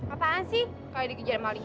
apaan sih kayak dikejar maling aja